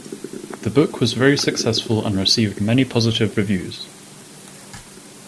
The book was very successful and received many positive reviews.